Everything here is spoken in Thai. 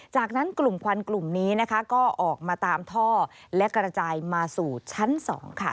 จากนั้นกลุ่มควันกลุ่มนี้นะคะก็ออกมาตามท่อและกระจายมาสู่ชั้น๒ค่ะ